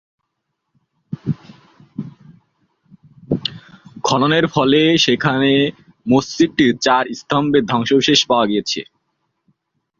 খননের ফলে সেখানে মসজিদটির চার স্তম্ভের ধ্বংসাবশেষ পাওয়া গিয়েছে।